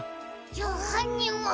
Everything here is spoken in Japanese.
じゃあはんにんは。